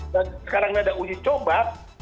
sekarang tidak ada uji coba